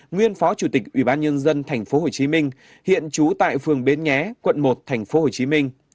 nguyên phó chủ tịch ủy ban nhân dân tp hcm hiện trú tại phường bến nghé quận một tp hcm